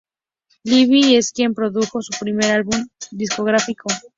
Livi es quien produjo su primer álbum discográfico.